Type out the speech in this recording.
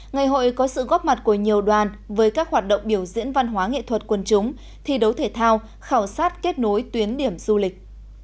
ngày hội có sự góp mặt của nhiều đoàn với các hoạt động biểu diễn văn hóa nghệ thuật quần chúng thi đấu thể thao khảo sát kết nối tuyến điểm du lịch